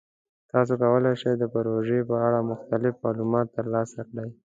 تاسو کولی شئ د پروژې په اړه مختلف معلومات ترلاسه کړئ.